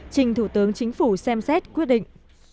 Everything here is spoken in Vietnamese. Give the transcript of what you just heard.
trình thủ tướng chính phủ xem xét quyết định